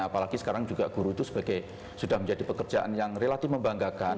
apalagi sekarang juga guru itu sudah menjadi pekerjaan yang relatif membanggakan